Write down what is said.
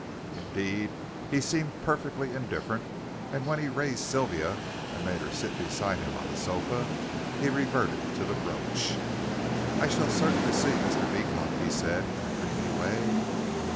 Indeed, he seemed perfectly indifferent, and when he raised Sylvia and made her sit beside him on the sofa he reverted to the brooch. "I shall certainly see Mr. Beecot," he said in a dreamy way.